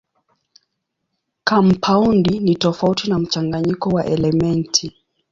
Kampaundi ni tofauti na mchanganyiko wa elementi.